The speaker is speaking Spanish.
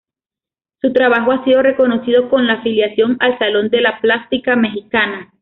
Su trabajo ha sido reconocido con la afiliación al Salón de la Plástica Mexicana.